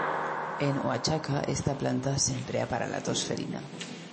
En Oaxaca esta planta se emplea para la tos ferina.